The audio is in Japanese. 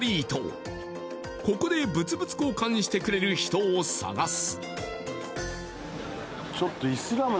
ここで物々交換してくれる人を探す